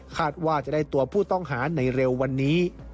ว่าจะได้ตัวผู้ต้องหาในเร็ววันนี้